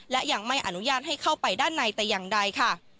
และยังไม่อนุญาตให้เข้าไปด้านในแต่อย่างใดค่ะ